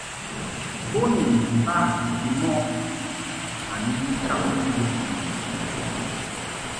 Bo ni mbaʼ bimɔʼ ma ni ncham yum mɨ.